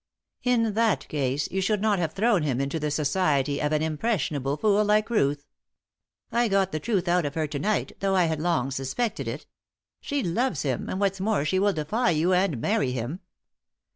"In that case you should not have thrown him into the society of an impressionable fool like Ruth. I got the truth out of her to night, though I had long suspected it. She loves him; and what's more she will defy you and marry him."